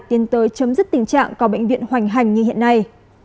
tiến tới chấm dứt tình trạng có bệnh viện hoành hành như hiện nay